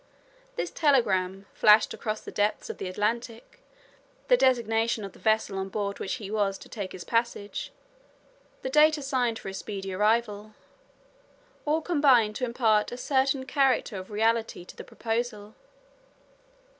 This telegram flashed across the depths of the Atlantic, the designation of the vessel on board which he was to take his passage, the date assigned for his speedy arrival, all combined to impart a certain character of reality to the proposal.